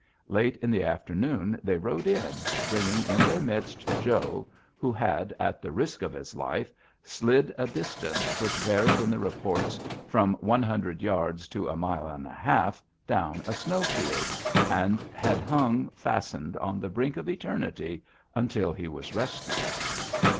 Late in the afternoon they rode in, bringing in their midst Joe, who had, at the risk of his life, slid a distance which varied in the reports from one hundred yards to a mile and a half down a snow field, and had hung fastened on the brink of eternity until he was rescued.